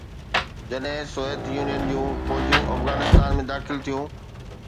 جڏهن Soviet Union جون فوجون افغانستان ۾ داخل ٿيون.